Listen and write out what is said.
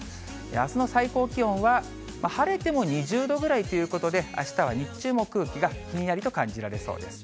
あすの最高気温は、晴れても２０度ぐらいということで、あしたは日中も空気がひんやりと感じられそうです。